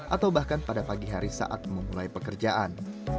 atau bahkan pada pagi hari saat memulai pekerjaan